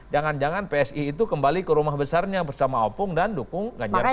jangan jangan psi itu kembali ke rumah besarnya bersama opung dan dukung ganjar pranowo